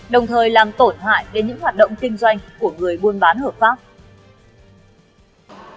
đồng thời làm tổn hại đến những hoạt động kinh doanh của người buôn bán hợp pháp